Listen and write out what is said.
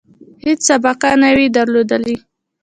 هیڅ سابقه نه وي درلودلې.